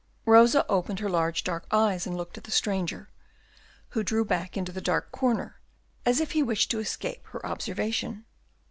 Rosa opened her large eyes and looked at the stranger, who drew back into the dark corner, as if he wished to escape her observation.